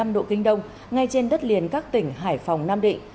một trăm linh sáu năm độ kinh đông ngay trên đất liền các tỉnh hải phòng nam định